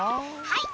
はい！